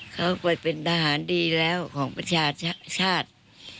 เขาไปเป็นทหารดีแล้วของประชาชาติ